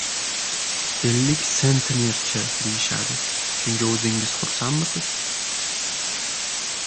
Ellik sentnerchi deyishadi. Shunga o‘zingiz xursandmisiz?